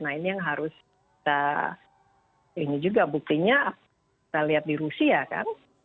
nah ini yang harus kita ini juga buktinya kita lihat di rusia kan